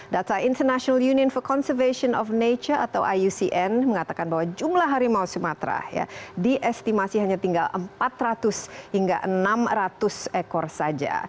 data international union for conservation of nature atau iucn mengatakan bahwa jumlah harimau sumatera diestimasi hanya tinggal empat ratus hingga enam ratus ekor saja